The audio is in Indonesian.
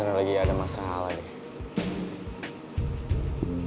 kalau kamu sedih sama mama aja yang sedih